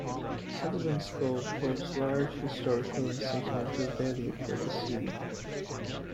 Sullivans Cove holds large historical and sentimental value for the city.